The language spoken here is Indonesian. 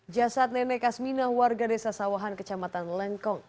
jasad nenek kasmina warga desa sawahan kecamatan lengkong